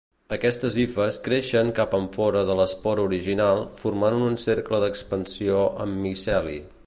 Aquestes hifes creixen cap enfora de l'espora original, formant un cercle d'expansió amb miceli.